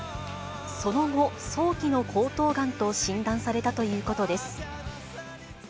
その後、早期の喉頭がんと診断されたということです。